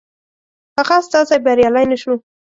هغه استازی بریالی نه شو.